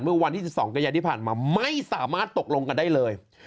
เมื่อวันที่๑๒กันยาที่ผ่านมาไม่สามารถตกลงกันได้เลย